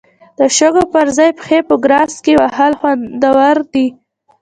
د شګو پر ځای پښې په ګراس کې وهل خوندور دي.